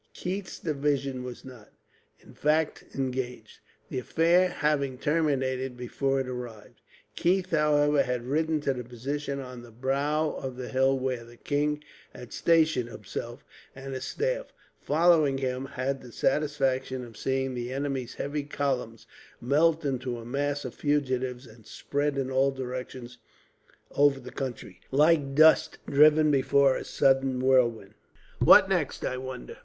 Keith's division was not, in fact, engaged; the affair having terminated before it arrived. Keith, however, had ridden to the position on the brow of the hill where the king had stationed himself; and his staff, following him, had the satisfaction of seeing the enemy's heavy columns melt into a mass of fugitives, and spread in all directions over the country, like dust driven before a sudden whirlwind. "What next, I wonder?"